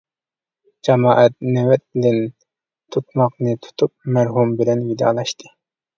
جامائەت نۆۋەت بىلەن تۇتماقنى تۇتۇپ مەرھۇم بىلەن ۋىدالىشاتتى.